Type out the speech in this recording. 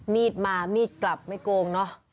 มีดมามีดกลับไม่โกงเนอะ